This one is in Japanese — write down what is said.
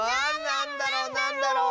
なんだろ？